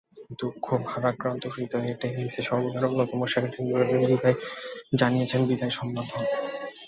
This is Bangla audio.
দুঃখ ভারাক্রান্ত হূদয়ে টেনিসের সর্বকালের অন্যতম সেরা টেন্ডুলকারকে জানিয়েছেন বিদায়ী অভিনন্দন।